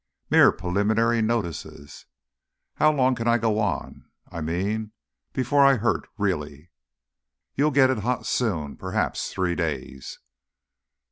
"Mere preliminary notices." "How long can I go on? I mean, before I hurt really." "You'll get it hot soon. Perhaps three days."